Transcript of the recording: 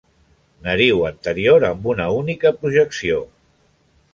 Nariu anterior amb una única projecció.